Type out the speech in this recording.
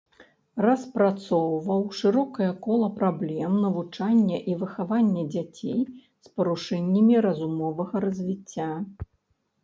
Распрацоўваў шырокае кола праблем навучання і выхавання дзяцей з парушэннямі разумовага развіцця.